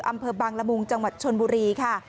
อำเภอบางละมุงจังหวัดชนบุรีค่ะ